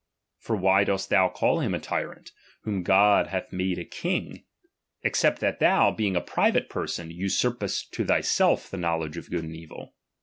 For why dost thou call him a tyrant, whom God hath made a king, except that thou, being a private person, usurpest "to thyself the knowledge of good and evil